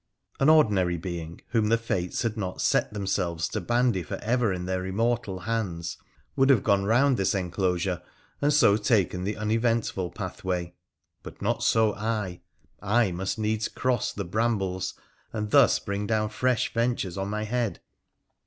An ordinary being, whom the Fates had not set them selves to bandy for ever in their immortal hands, would have gone round this enclosure, and so taken the uneventful path way, but not so I : I must needs cross the brambles, and thus bring down fresh ventures on my head.